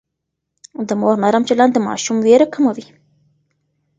د مور نرم چلند د ماشوم وېره کموي.